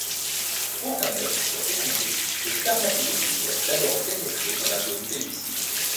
Pour qu'un œuf soit fécondé, les spermatozoïdes doivent d'abord pénétrer dans la zone pellucide.